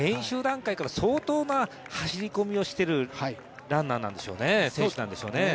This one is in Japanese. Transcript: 練習段階から相当、走り込みをしているランナーなんでしょうね。